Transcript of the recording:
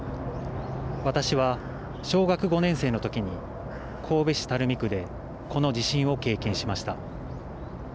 私は、小学５年生のときに神戸市垂水区でこの地震を経験しました。